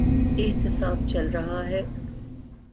احتساب چل رہا ہے۔